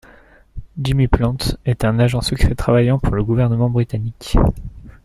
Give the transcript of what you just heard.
Jimmy Plant est un agent secret travaillant pour le gouvernement britannique.